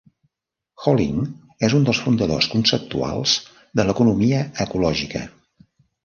Holling és un dels fundadors conceptuals de l'economia ecològica.